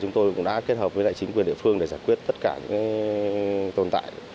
chúng tôi cũng đã kết hợp với lại chính quyền địa phương để giải quyết tất cả những tồn tại